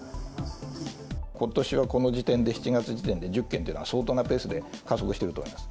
ことしはこの時点で、７月時点で、１０件というのは、相当なペースで加速していると思います。